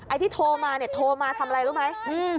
ที่โทรมาเนี่ยโทรมาทำอะไรรู้ไหม